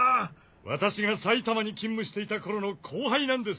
私が埼玉に勤務していた頃の後輩なんです。